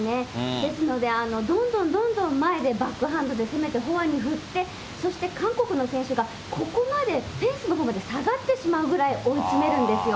ですので、どんどんどんどん前でバックハンドで攻めてフォアに振って、そして韓国の選手がここまで、フェンスのほうまで下がってしまうぐらい追い詰めるんですよ。